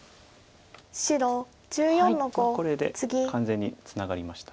これで完全にツナがりました。